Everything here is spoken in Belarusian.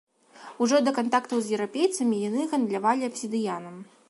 Ужо да кантактаў з еўрапейцамі яны гандлявалі абсідыянам.